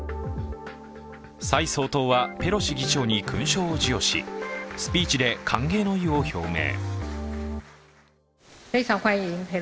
蔡総統は、ペロシ議長に勲章を授与し、スピーチで歓迎の意を表明。